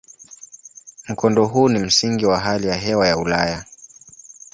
Mkondo huu ni msingi kwa hali ya hewa ya Ulaya.